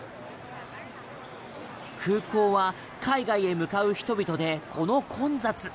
空港は海外へ向かう人々でこの混雑。